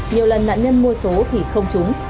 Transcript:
nhiều lần nạn nhân mua số thì không trúng